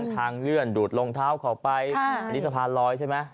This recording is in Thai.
ทั้งเลื่อนดูดลงเท้าเข้าไปสะพานลอยใช่ไหม